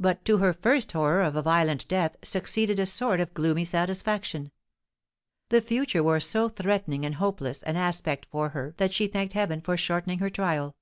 But to her first horror of a violent death succeeded a sort of gloomy satisfaction. The future wore so threatening and hopeless an aspect for her that she thanked heaven for shortening her trial.